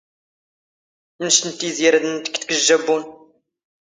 ⵎⵏⵛⵜ ⵏ ⵜⵉⵣⵉ ⴰ ⵔⴰⴷ ⵏⵏ ⵜⴽⴽⴷ ⴳ ⵊⵊⴰⴱⴱⵓⵏ?